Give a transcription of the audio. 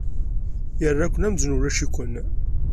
Yerra-ken amzun ulac-iken.